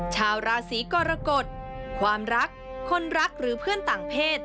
ชาวราศีกรกฎความรักคนรักหรือเพื่อนต่างเพศ